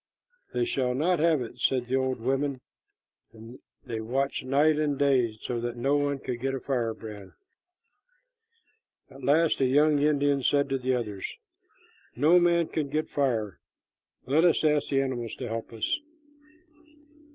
"They shall not have it," said the old women, and they watched night and day so that no one could get a firebrand. At last a young Indian said to the others, "No man can get fire. Let us ask the animals to help us."